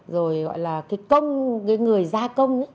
rồi gọi là cái công cái người gia công